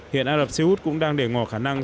hiện ả rập xê út cũng đang để ngò khả năng